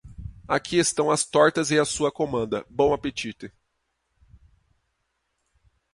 Aqui estão as tortas e a sua comanda, bom apetite.